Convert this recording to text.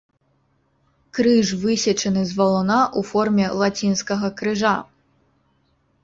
Крыж высечаны з валуна ў форме лацінскага крыжа.